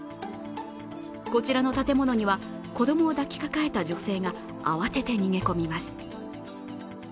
こちらの建物には子供を抱きかかえた女性が慌てて逃げ込みます。